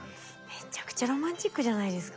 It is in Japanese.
めちゃくちゃロマンチックじゃないですか。